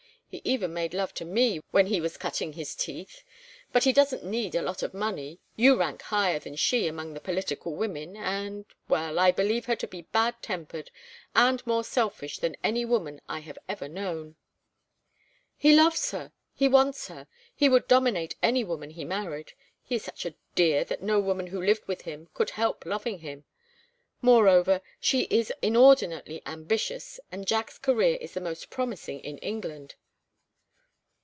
He even made love to me when he was cutting his teeth. But he doesn't need a lot of money, you rank higher than she among the political women, and well, I believe her to be bad tempered, and more selfish than any woman I have ever known." "He loves her. He wants her. He would dominate any woman he married. He is such a dear that no woman who lived with him could help loving him. Moreover, she is inordinately ambitious, and Jack's career is the most promising in England."